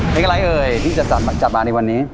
มีอะไรเอ่ยที่จะจับมาในวันนี้